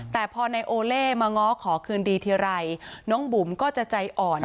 แต่พอนายโอเล่มาง้อขอคืนดีทีไรน้องบุ๋มก็จะใจอ่อน